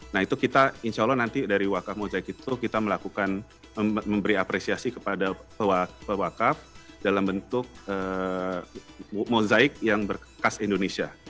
nah itu kita insya allah nanti dari wakaf mozaik itu kita melakukan memberi apresiasi kepada wakaf dalam bentuk mozaik yang berkas indonesia